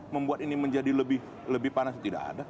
membuat ini menjadi lebih panas tidak ada